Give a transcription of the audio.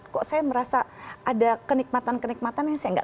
kok saya merasa ada kenikmatan kenikmatan yang saya nggak